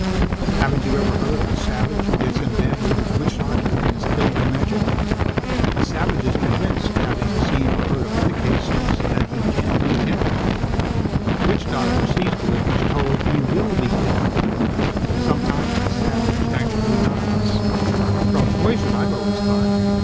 "Haven't you ever heard of a savage who gets in bad with his witch doctor and is killed by magic? The savage is convinced, having seen or heard of other cases, that he can be killed. The witch doctor sees to it he's told he will be killed. And sometimes the savage actually dies " "From poison, I've always thought."